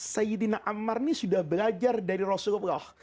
sayyidina ammar ini sudah belajar dari rasulullah